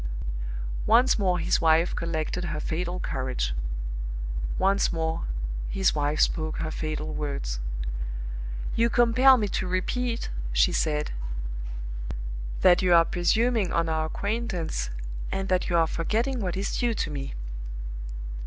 Once more his wife collected her fatal courage. Once more his wife spoke her fatal words. "You compel me to repeat," she said, "that you are presuming on our acquaintance, and that you are forgetting what is due to me."